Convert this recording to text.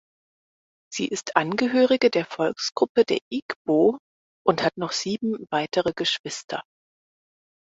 Sie ist Angehörige der Volksgruppe der Igbo und hat noch sieben weitere Geschwister.